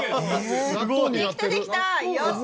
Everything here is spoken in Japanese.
できたできた！